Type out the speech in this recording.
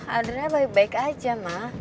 adriana baik baik aja ma